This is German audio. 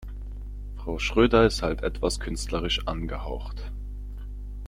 Frau Schröder ist halt etwas künstlerisch angehaucht.